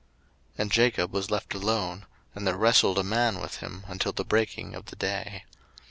01:032:024 And Jacob was left alone; and there wrestled a man with him until the breaking of the day.